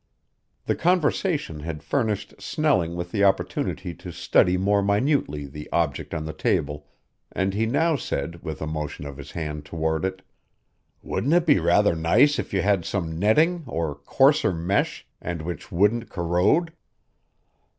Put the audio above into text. The conversation had furnished Snelling with the opportunity to study more minutely the object on the table, and he now said with a motion of his hand toward it: "Wouldn't it be rather nice if you had some netting of coarser mesh and which wouldn't corrode?"